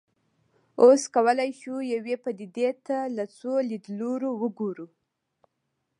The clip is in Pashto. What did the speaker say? اوس کولای شو یوې پدیدې ته له څو لیدلوریو وګورو.